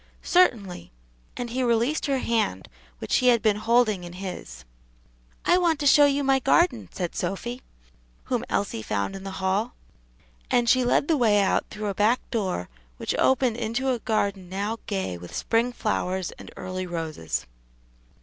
"Certainly;" and he released her hand, which he had been holding in his. "I want to show you my garden," said Sophy, whom Elsie found in the hall; and she led the way out through a back door which opened into a garden now gay with spring flowers and early roses.